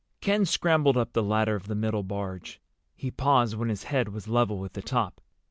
Ken scrambled up the ladder of the middle barge. He paused when his head was level with the top.